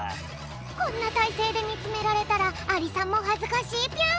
こんなたいせいでみつめられたらアリさんもはずかしいぴょん。